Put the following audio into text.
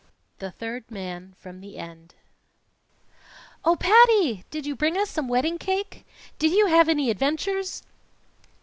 IV The Third Man from the End "Oh, Patty! Did you bring us some wedding cake?" "Did you have any adventures?"